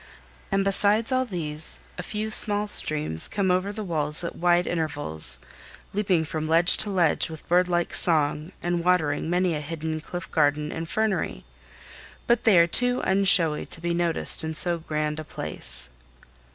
And besides all these a few small streams come over the walls at wide intervals, leaping from ledge to ledge with birdlike song and watering many a hidden cliff garden and fernery, but they are too unshowy to be noticed in so grand a place.